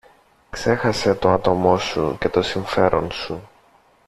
Ξέχασε το άτομο σου και το συμφέρον σου